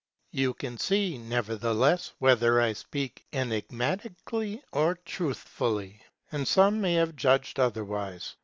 You can see, nevertheless, whether I speak enig matically or truthfully. And some may have judged otherwise.